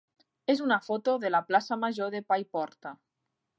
és una foto de la plaça major de Paiporta.